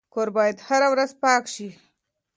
کور باید هره ورځ پاک شي.